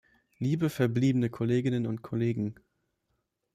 Liebe verbliebene Kolleginnen und Kollegen!